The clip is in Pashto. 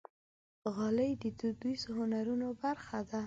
غالۍ د دودیزو هنرونو برخه ده.